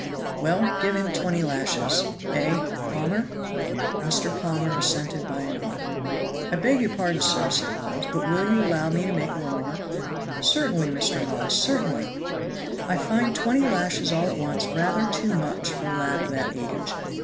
"Well, give him twenty lashes. Eh: Palmer?" Mr. Palmer assented by a nod. "I beg your pardon, sir," said Hawes, "but will you allow me to make a remark?" "Certainly, Mr. Hawes, certainly!" "I find twenty lashes all at once rather too much for a lad of that age.